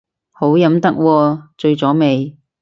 好飲得喎，醉咗未